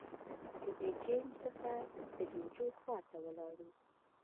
له بېجينګ څخه د ليوجو ښار ته ولاړو.